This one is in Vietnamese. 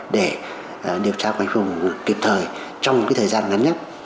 để điều tra quanh vùng kịp thời trong cái thời gian ngắn nhất